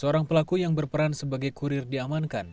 seorang pelaku yang berperan sebagai kurir diamankan